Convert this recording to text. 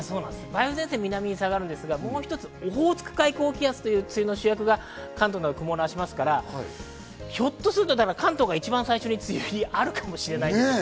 梅雨前線、南に下がりますが、オホーツク海高気圧という梅雨の主役がきますから、ひょっとすると関東が一番最初に梅雨入りあるかもしれません。